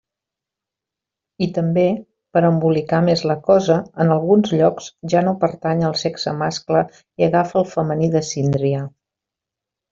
I també, per a embolicar més la cosa, en alguns llocs ja no pertany al sexe mascle i agafa el femení de síndria.